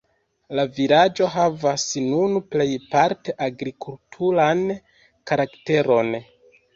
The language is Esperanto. La vilaĝo havas nun plejparte agrikulturan karakteron.